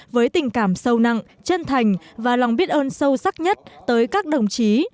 với tình cảm sâu nặng chân thành và lòng biết ơn sâu sắc nhất tới các đồng chí